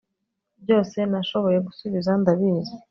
byose nashoboye gusubiza. ndabizi